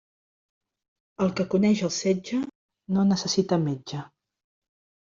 El que coneix el setge no necessita metge.